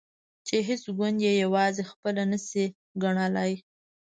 چې هیڅ ګوند یې یوازې خپل نشي ګڼلای.